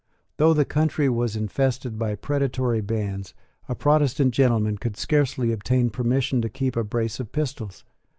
Though the country was infested by predatory bands, a Protestant gentleman could scarcely obtain permission to keep a brace of pistols.